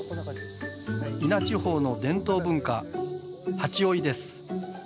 伊那地方の伝統文化「蜂追い」です。